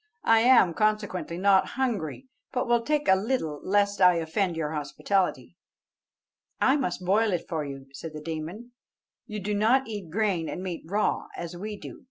I am, consequently, not hungry, but will take a little lest I offend your hospitality." "I must boil it for you," said the demon; "you do not eat grain and meat raw, as we do.